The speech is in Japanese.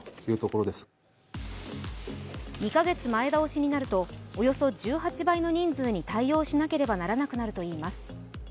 ２カ月前倒しになるとおよそ１８倍の人数に対応しなければいけなくなるといいます。